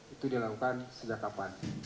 itu dilakukan sejak kapan